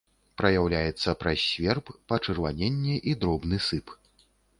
Праяўляецца праз сверб, пачырваненне і дробны сып.